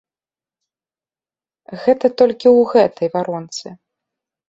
Гэта толькі ў гэтай варонцы.